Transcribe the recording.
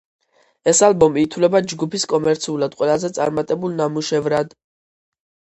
ეს ალბომი ითვლება ჯგუფის კომერციულად ყველაზე წარმატებულ ნამუშევრად.